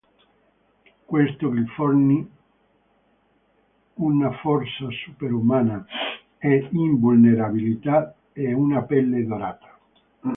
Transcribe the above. Questo gli fornì una forza super umana e l'invulnerabilità e una pelle dorata.